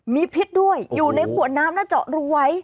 มีพิษด้วยอยู่ในขวนน้ำหน้าเจ้ารวย